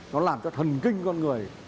nó làm cho thần kinh con người